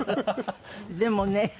でもね